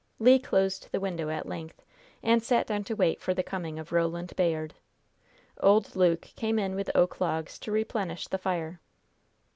Le closed the window at length, and sat down to wait for the coming of Roland Bayard. Old Luke came in with oak logs to replenish the fire.